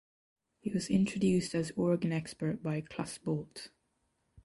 He was introduced as organ expert by Klaas Bolt.